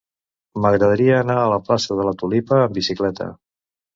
M'agradaria anar a la plaça de la Tulipa amb bicicleta.